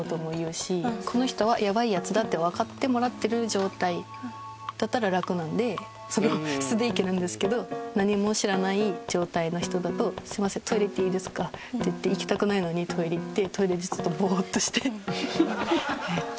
この人はやばいヤツだってわかってもらってる状態だったら楽なんで素でいけるんですけど何も知らない状態の人だと「すみませんトイレ行っていいですか？」って言って行きたくないのにトイレ行ってトイレでちょっとボーッとしてえっと